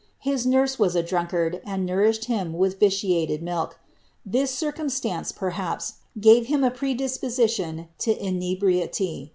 His nurse was a drunkard, and nourished him with vitiated milk. This circumstance, perhaps, gave him a predisposition to inebriety.